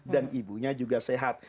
dan ibunya juga sehat